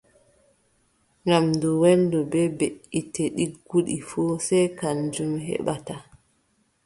Nyaamdu welndu bee beʼitte ɗigguɗe fuu, sey kanjum heɓata.